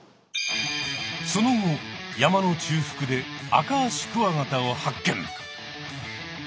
その後山の中腹でアカアシクワガタを発見。